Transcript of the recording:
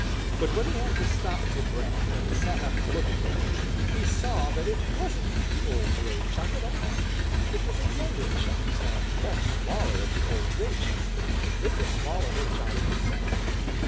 But when he had to stop for breath and sat up to look again, he saw that it wasn't the old gray Chuck at all. It was a younger Chuck and much smaller than the old gray Chuck. It was smaller than Johnny himself.